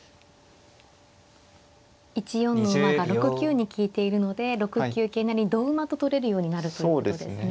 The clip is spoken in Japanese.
１四の馬が６九に利いているので６九桂成に同馬と取れるようになるということですね。